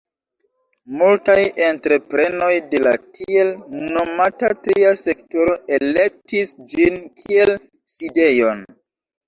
Multaj entreprenoj de la tiel nomata tria sektoro elektis ĝin kiel sidejon.